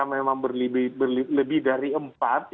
jika mereka memang lebih dari empat